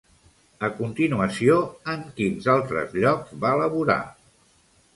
A continuació, en quins altres llocs va laborar?